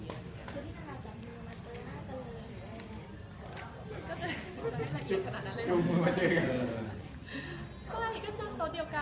คือพี่นาราจังมึงมาเจอกันหรือไม่หรือไม่หรือ